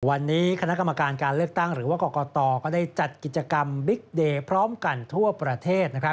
วันนี้คณะกรรมการการเลือกตั้งหรือว่ากรกตก็ได้จัดกิจกรรมบิ๊กเดย์พร้อมกันทั่วประเทศ